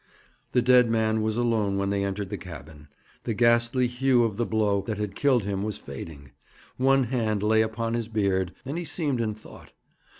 The dead man was alone when they entered the cabin. The ghastly hue of the blow that had killed him was fading. One hand lay upon his beard, and he seemed in thought.